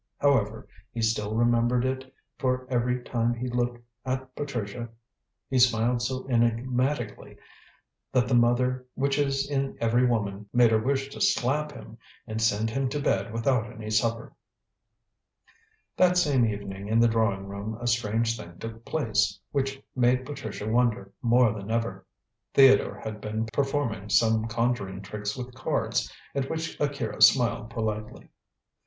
However, he still remembered it, for every time he looked at Patricia he smiled so enigmatically that the mother which is in every woman made her wish to slap him and send him to bed without any supper. That same evening in the drawing room a strange thing took place, which made Patricia wonder more than ever. Theodore had been performing some conjuring tricks with cards at which Akira smiled politely.